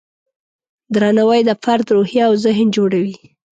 درناوی د فرد روحیه او ذهن جوړوي.